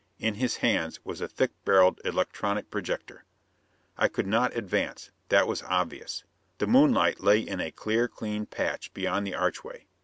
In his hands was a thick barreled electronic projector. I could not advance: that was obvious. The moonlight lay in a clear clean patch beyond the archway.